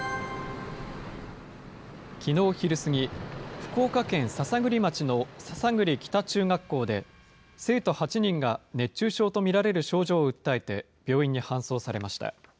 きのう昼過ぎ、福岡県篠栗町の篠栗北中学校で、生徒８人が熱中症と見られる症状を訴えて、病院に搬送されました。